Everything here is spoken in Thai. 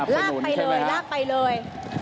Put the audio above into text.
ค่ะลากไปเลย